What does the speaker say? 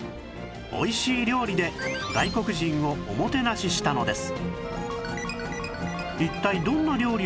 おいしい料理で外国人をおもてなししたのです